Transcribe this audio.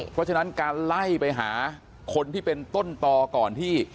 เพราะฉะนั้นการไล่ไปหาคนที่เป็นต้นต่อก่อนที่